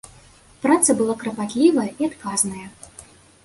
Праца была карпатлівая і адказная.